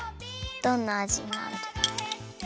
どんなあじになる。